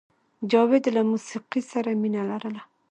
جاوید له موسیقۍ سره مینه لرله